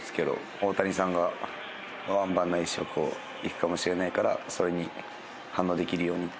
大谷さんがワンバンないしをこういくかもしれないから「それに反応できるように」って。